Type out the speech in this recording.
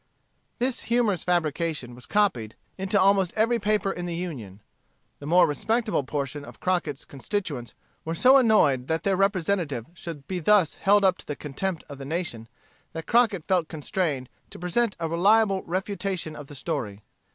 This humorous fabrication was copied into almost every paper in the Union. The more respectable portion of Crockett's constituents were so annoyed that their representative should be thus held up to the contempt of the nation, that Crockett felt constrained to present a reliable refutation of the story.